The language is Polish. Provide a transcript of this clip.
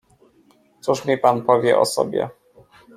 "Cóż mi pan powie o sobie?"